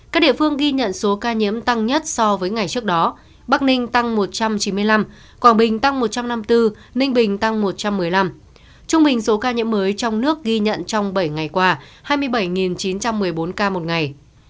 các địa phương ghi nhận số ca nhiễm tăng nhất so với ngày trước đó bắc ninh tăng một trăm chín mươi năm quảng bình tăng một trăm năm mươi bốn ninh bình tăng một trăm một mươi năm trung bình số ca nhiễm mới trong nước ghi nhận trong bảy ngày qua hai mươi bảy chín trăm một mươi bốn ca một ngày